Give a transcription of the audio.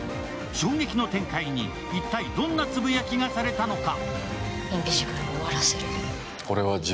衝撃の展開に一体どんなつぶやきがされたのか。